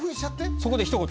そこでひと言。